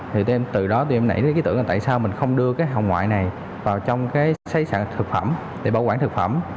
thì từ đó tụi em nảy ra cái ý tưởng là tại sao mình không đưa cái hồng ngoại này vào trong cái xấy sản thực phẩm để bảo quản thực phẩm